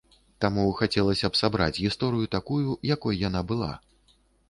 Таму хацелася б сабраць гісторыю такую, якой яна была.